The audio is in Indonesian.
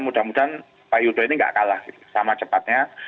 mudah mudahan pak yudho ini gak kalah sama cepatnya